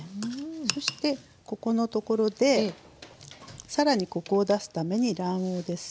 そしてここのところでさらにコクを出すために卵黄ですね。